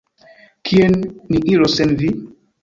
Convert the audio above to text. Kien ni iros sen vi?